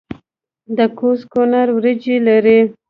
د کوز کونړ وریجې لري